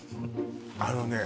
あのね